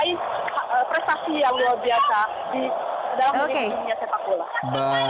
di dalam dunia sepak bola